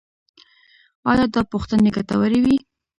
ایا دا پوښتنې ګټورې وې؟